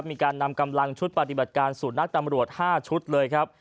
มีการนำกำลังชุดปฏิบัติการสูตรนักตำรวจ๕ชุดเลยครับ